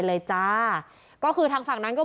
ก็กลายเป็นว่าติดต่อพี่น้องคู่นี้ไม่ได้เลยค่ะ